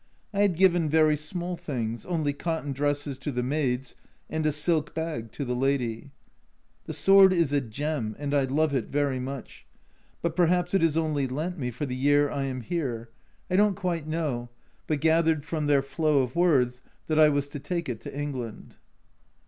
I had given very small things, only cotton dresses to the maids, and a silk bag to the lady. The sword is a gem, and I love it very much but perhaps it is only lent me for the year I am here : I don't quite A Journal from Japan 85 know, but gathered from their flow of words that I was to take it to England.